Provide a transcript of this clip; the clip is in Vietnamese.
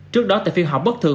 trước đó tại phiên họp bất thường